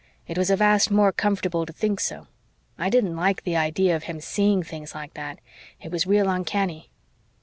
It was a vast more comfortable to think so. I didn't like the idea of him seeing things like that it was real uncanny.